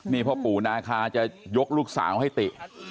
นี่พ่อปู่นาคาจะยกลูกสาวให้ติ